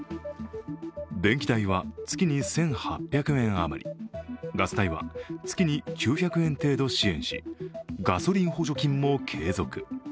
電気代は月に１８００円あまりガス代は月に９００円程度支援しガソリン補助金も継続。